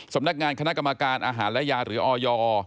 สำนักงานคณะกรรมการอาหารและยาหรือออย